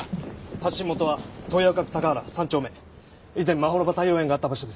発信元は豊丘区鷹原３丁目以前まほろば太陽園があった場所です。